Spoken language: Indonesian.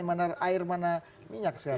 mana air mana minyak saya